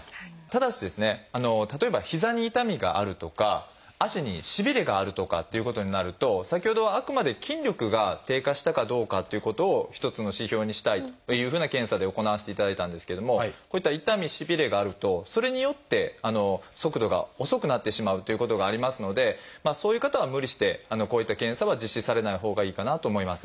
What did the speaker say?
ただし例えば膝に痛みがあるとか足にしびれがあるとかっていうことになると先ほどはあくまで筋力が低下したかどうかっていうことの一つの指標にしたいというふうな検査で行わせていただいたんですけどもこういった痛みしびれがあるとそれによって速度が遅くなってしまうということがありますのでそういう方は無理してこういった検査は実施されないほうがいいかなと思います。